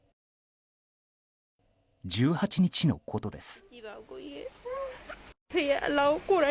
１８日のことです。